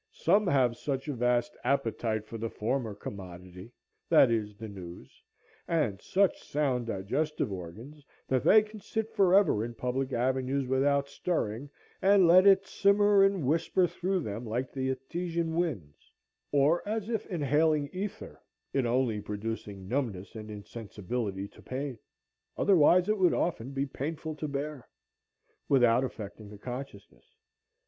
Some have such a vast appetite for the former commodity, that is, the news, and such sound digestive organs, that they can sit forever in public avenues without stirring, and let it simmer and whisper through them like the Etesian winds, or as if inhaling ether, it only producing numbness and insensibility to pain,—otherwise it would often be painful to hear,—without affecting the consciousness.